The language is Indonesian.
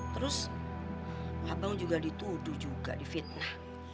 terus abang juga dituduh juga di fitnah